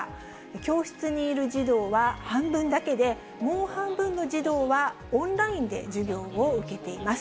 教室にいる児童は半分だけで、もう半分の児童はオンラインで授業を受けています。